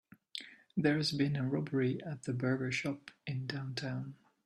There has been a robbery at the burger shop in downtown.